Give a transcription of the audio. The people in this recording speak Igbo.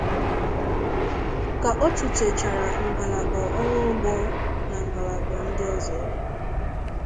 Ka o tutechaara ngalaba ọrụ ugbo na ngalaba ndị ọzọ